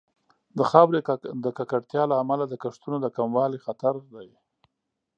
د خاورې د ککړتیا له امله د کښتونو د کموالي خطر دی.